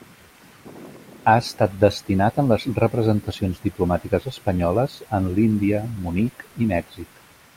Ha estat destinat en les representacions diplomàtiques espanyoles en l'Índia, Munic i Mèxic.